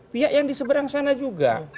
pihak yang diseberang sana juga